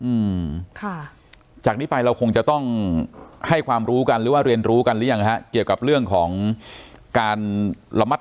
อืมค่ะจากนี้ไปเราคงจะต้องให้ความรู้กันหรือว่าเรียนรู้กันหรือยังฮะเกี่ยวกับเรื่องของการระมัด